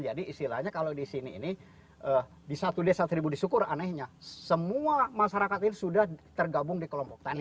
jadi istilahnya kalau di sini ini di satu desa seribu di syukur anehnya semua masyarakat ini sudah tergabung di kelompok tani